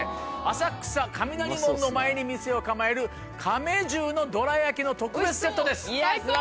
浅草雷門の前に店を構える亀十のどら焼の特別セットです。